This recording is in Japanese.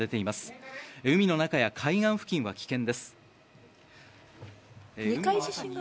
海の中や海岸付近は危険です。